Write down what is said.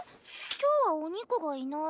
今日はお肉がいない。